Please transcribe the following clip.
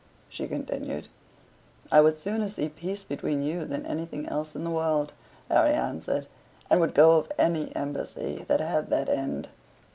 she continued. "I would sooner see peace between you than anything else in the world," Harry answered, "and would go of any embassy that had that end."